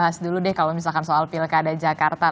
kalau misalkan soal pilkada jakarta